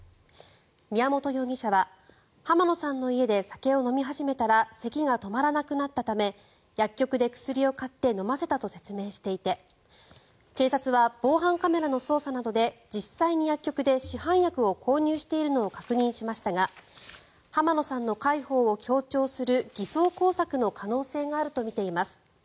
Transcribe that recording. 宮本容疑者は浜野さんの家で酒を飲み始めたらせきが止まらなくなったため薬局で薬を買って飲ませたと説明していて警察は防犯カメラの捜査などで実際に薬局で市販薬を購入しているのを確認しましたが浜野さんの介抱を強調する偽装工作の可能性があるとみています。